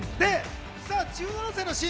１７歳のシーン